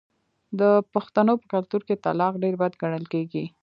د پښتنو په کلتور کې طلاق ډیر بد ګڼل کیږي.